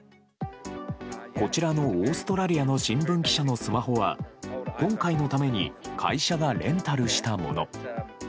こちらのオーストラリアの新聞記者のスマホは今回のために会社がレンタルしたもの。